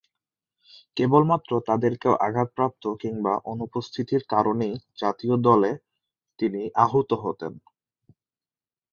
কেবলমাত্র তাদের কেউ আঘাতপ্রাপ্ত কিংবা অনুপস্থিতির কারণেই জাতীয় দলে তিনি আহুত হতেন।